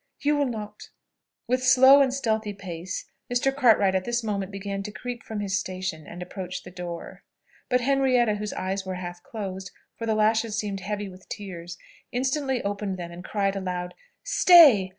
You will not " With slow and stealthy pace Mr. Cartwright at this moment began to creep from his station and approach the door. But Henrietta, whose eyes were half closed for the lashes seemed heavy with tears instantly opened them, and cried aloud, "Stay!